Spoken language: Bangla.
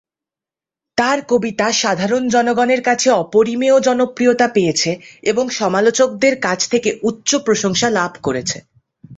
তার কবিতা সাধারণ জনগণের কাছে অপরিমেয় জনপ্রিয়তা পেয়েছে এবং সমালোচকদের কাছ থেকে উচ্চ প্রশংসা লাভ করেছে।